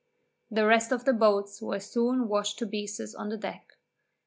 The rest of the boats were soon washed to pieces on the deck.